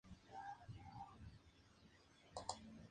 El clima de la ciudad de Villa Reynolds es templado y semiárido.